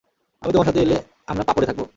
আমি তোমার সাথে এলে আমরা পাপরে থাকব।